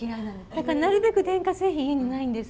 だからなるべく電化製品家にないんです。